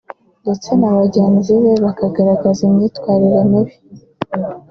ndetse na bagenzi be bakagaragaza imyitwarire mibi